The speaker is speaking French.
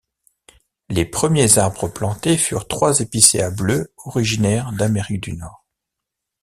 Les premiers arbres plantés furent trois épicéas bleus originaires d'Amérique du Nord.